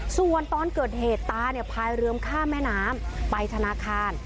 ส่วนตอนเกิดเหตุตาเนี่ยพายเรือมข้ามแม่น้ำไปธนาคาร